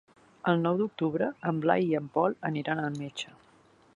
El nou d'octubre en Blai i en Pol aniran al metge.